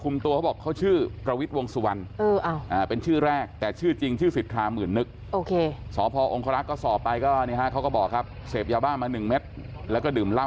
ไม่รู้นะเม็ดเดียวทิ้งหรือเปล่า